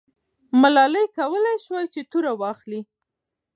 ملالۍ کولای سوای چې توره واخلي.